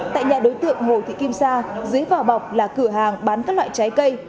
tại nhà đối tượng hồ thị kim sa dưới vỏ bọc là cửa hàng bán các loại trái cây